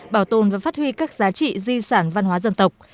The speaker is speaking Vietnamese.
bảo tồn và phát huy các giá trị di sản văn hóa dân tộc